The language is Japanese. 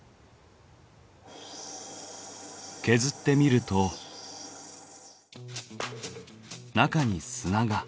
削ってみると中に砂が。